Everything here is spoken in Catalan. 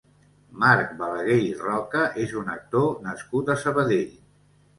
Marc Balaguer i Roca és un actor nascut a Sabadell.